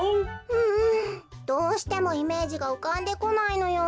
うんどうしてもイメージがうかんでこないのよ。